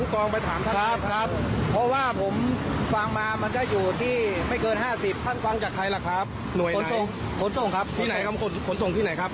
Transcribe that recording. ใครล่ะครับหน่วยไหนขนส่งขนส่งครับที่ไหนครับขนส่งที่ไหนครับ